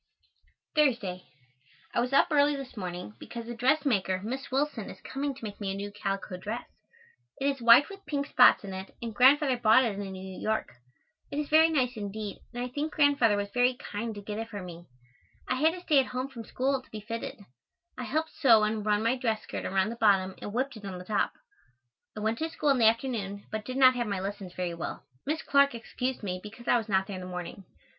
Thursday. I was up early this morning because a dressmaker, Miss Willson, is coming to make me a new calico dress. It is white with pink spots in it and Grandfather bought it in New York. It is very nice indeed and I think Grandfather was very kind to get it for me. I had to stay at home from school to be fitted. I helped sew and run my dress skirt around the bottom and whipped it on the top. I went to school in the afternoon, but did not have my lessons very well. Miss Clark excused me because I was not there in the morning.